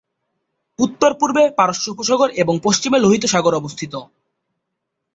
উত্তর-পূর্বে পারস্য উপসাগর এবং পশ্চিমে লোহিত সাগর অবস্থিত।